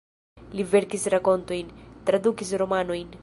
Li verkis rakontojn, tradukis romanojn.